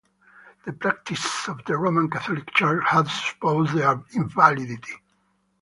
The practices of the Roman Catholic Church had supposed their invalidity.